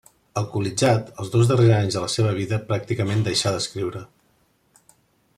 Alcoholitzat, els dos darrers anys de la seva vida pràcticament deixà d'escriure.